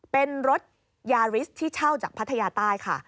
เป็นรถยาริสที่เช่าจากพัทยาใต้ค่ะ